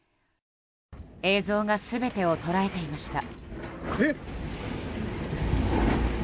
映像が全てを捉えていました。